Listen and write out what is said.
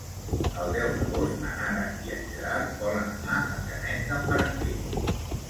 El deu d'agost na Nara i en Gerard volen anar a Canet d'en Berenguer.